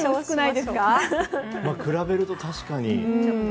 比べると、確かに。